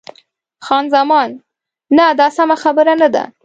خان زمان: نه، دا سمه خبره نه ده.